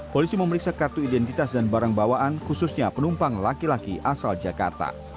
polisi memeriksa kartu identitas dan barang bawaan khususnya penumpang laki laki asal jakarta